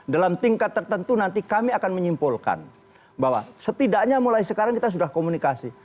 dalam tingkat tertentu nanti kami akan menyimpulkan bahwa setidaknya mulai sekarang kita sudah komunikasi